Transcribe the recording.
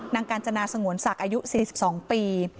กาญจนาสงวนศักดิ์อายุ๔๒ปี